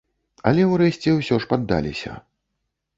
Але ўрэшце ўсё ж паддаліся.